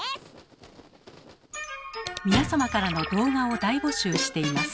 皆様からの動画を大募集しています。